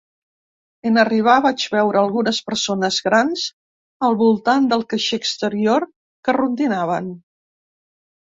En arribar, vaig veure algunes persones grans al voltant del caixer exterior que rondinaven.